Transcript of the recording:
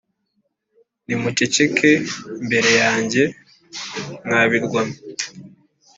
Nimuceceke imbere yanjye, mwa birwa mwe,